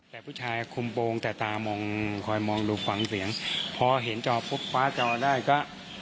แต่ผู้ชายคุมโปรงแต่ตามองคอยมองดูฟังเสียงพอเห็นจอปุ๊บคว้าจอได้ก็